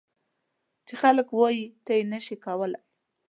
چې خلک وایي ته یې نه شې کولای.